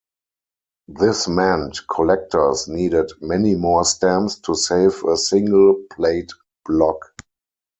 This meant collectors needed many more stamps to save a single plate block.